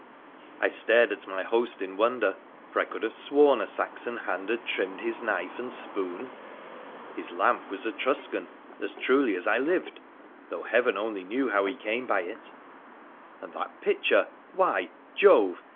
I stared at my host in wonder, for I could have sworn a Saxon hand had trimmed his knife and spoon, his lamp was Etruscan, as truly as I lived, though Heaven only knew how he came by it — and that pitcher — why, Jove